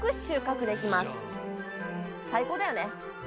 最高だよね。